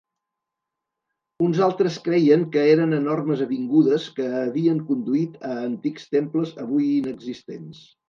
Uns altres creien que eren enormes avingudes que havien conduït a antics temples avui inexistents.